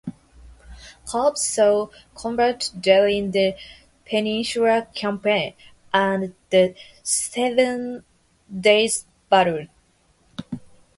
Cobb saw combat during the Peninsula Campaign and the Seven Days Battles.